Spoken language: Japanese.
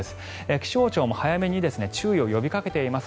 気象庁も早めに注意を呼びかけています。